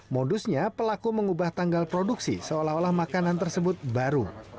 modusnya pelaku mengubah tanggal produksi seolah olah makanan tersebut baru